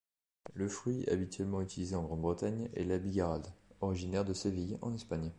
Le fruit habituellement utilisé en Grande-Bretagne est la bigarade, originaire de Séville en Espagne.